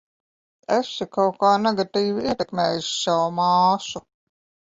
Esi kaut kā negatīvi ietekmējusi savu māsu.